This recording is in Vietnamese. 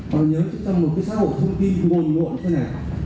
họ nhớ chứ trong một cái xã hội thông tin nguồn nguộn như thế nào